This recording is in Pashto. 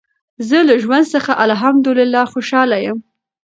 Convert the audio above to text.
زه له ژوند څخه الحمدلله خوشحاله یم.